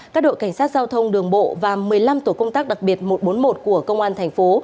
các đội cảnh sát giao thông đường bộ và một mươi năm tổ công tác đặc biệt một trăm bốn mươi một của công an thành phố